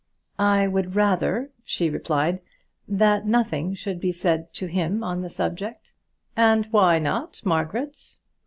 "I would rather," she replied, "that nothing should be said to him on the subject." "And why not, Margaret?"